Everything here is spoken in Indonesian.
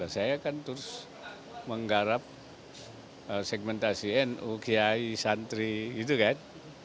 saya kan terus menggarap segmentasi nu kiai santri gitu kan